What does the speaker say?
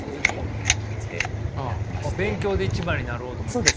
勉強で一番になろうと思ったんですか。